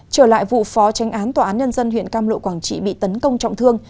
trở lại vụ phó tranh án tòa án nhân dân huyện cam lộ quảng trị bị tấn công trọng thương